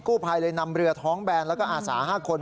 ผู้ภัยเลยนำเรือท้องแบนแล้วก็อาสา๕คน